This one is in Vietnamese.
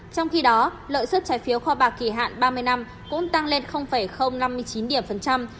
trong khi đó lợi suất trái phiếu kho bạc kỳ hạn ba mươi năm cũng tăng lên năm mươi chín điểm phần trăm